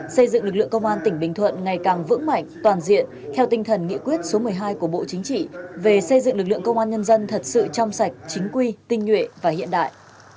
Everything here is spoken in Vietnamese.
xây dựng lực lượng công an tỉnh bình thuận ngày càng vững mạnh toàn diện theo tinh thần nghị quyết số một mươi hai của bộ chính trị về xây dựng lực lượng công an nhân dân thật sự trong sạch chính quy tinh nhuệ và hiện đại